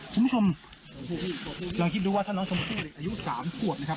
คุณผู้ชมลองคิดดูว่าถ้าน้องชมพู่เด็กอายุ๓ขวบนะครับ